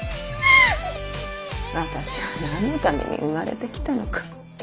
私は何のために生まれてきたのか。